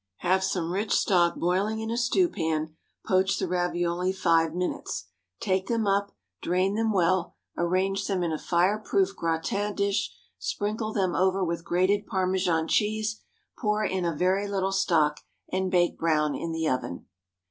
Have some rich stock boiling in a stewpan; poach the ravioli five minutes. Take them up, drain them well, arrange them in a fire proof gratin dish, sprinkle them over with grated Parmesan cheese, pour in a very little stock, and bake brown in the oven.